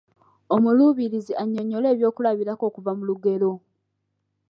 Omuluubirizi annyonnyole ebyokulabirako okuva mu lugero.